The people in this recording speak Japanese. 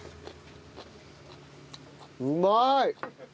うまい！